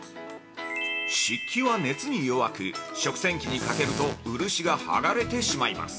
◆漆器は熱に弱く食洗機にかけると漆が剥がれてしまいます。